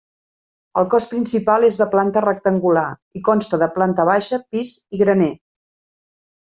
El cos principal és de planta rectangular i consta de planta baixa, pis i graner.